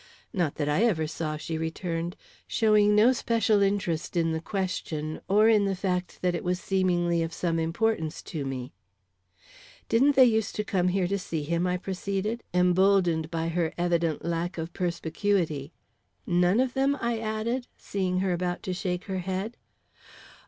"Not that I ever saw," she returned, showing no special interest in the question, or in the fact that it was seemingly of some importance to me. "Didn't they use to come here to see him?" I proceeded, emboldened by her evident lack of perspicuity. "None of them?" I added, seeing her about to shake her head.